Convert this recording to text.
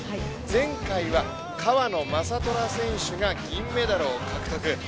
前回は川野将虎選手が銀メダルを獲得。